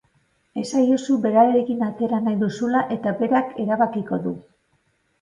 Esaiozu berarekin atera nahi duzula eta berak erabakiko du.